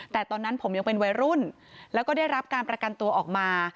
แต่ตอนนั้นผมยังเป็นวัยรุ่นแล้วก็ได้รับการประกันตัวออกมา